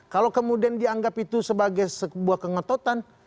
kalau kemudian dianggap itu sebagai sebuah kengototan